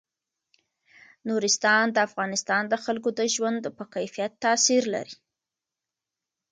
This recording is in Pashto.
نورستان د افغانستان د خلکو د ژوند په کیفیت تاثیر لري.